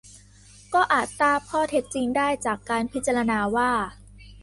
ก็อาจทราบข้อเท็จจริงได้จากการพิจารณาว่า